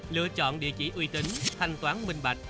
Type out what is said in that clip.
lựa chọn địa chỉ uy tính thanh toán minh bạch